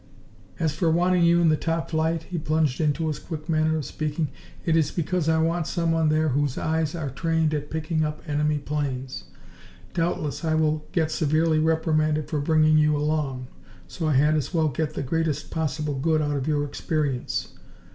"As for wanting you in the top flight," he plunged into his quick manner of speaking, "it is because I want someone there whose eyes are trained at picking up enemy planes. Doubtless I will get severely reprimanded for bringing you along, so I had as well get the greatest possible good out of your experience.